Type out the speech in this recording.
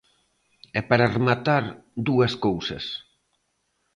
E, para rematar, dúas cousas.